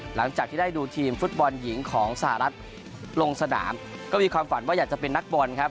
หลังจากที่ได้ดูทีมฟุตบอลหญิงของสหรัฐลงสนามก็มีความฝันว่าอยากจะเป็นนักบอลครับ